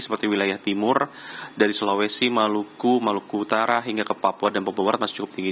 seperti wilayah timur dari sulawesi maluku maluku utara hingga ke papua dan papua barat masih cukup tinggi